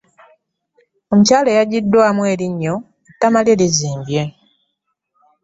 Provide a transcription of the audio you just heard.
Omukyala eyagidwaamu erinnyo ,ettama lye lizimbye.